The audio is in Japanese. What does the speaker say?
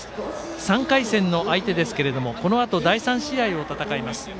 ３回戦の相手ですけれどもこのあと第３試合を戦います